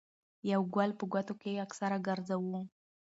يو ګل په ګوتو کښې اکثر ګرځوو